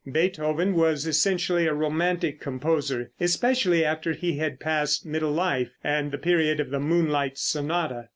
Beethoven was essentially a romantic composer, especially after he had passed middle life, and the period of the "Moonlight" sonata.